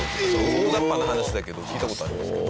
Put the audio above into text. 大ざっぱな話だけど聞いた事あります。